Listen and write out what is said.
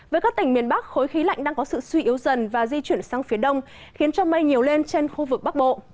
với các tỉnh miền bắc khối khí lạnh đang có sự suy yếu dần và di chuyển sang phía đông khiến cho mây nhiều lên trên khu vực bắc bộ